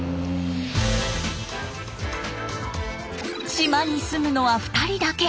島に住むのは２人だけ。